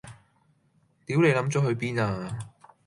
屌你諗左去邊呀